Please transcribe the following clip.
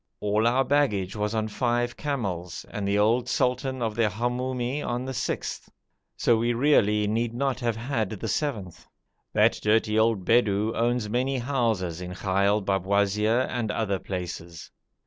All our baggage was on five camels and the old sultan of the Hamoumi on the sixth, so we really need not have had the seventh. That dirty old Bedou owns many houses in Ghail Babwazir and other places.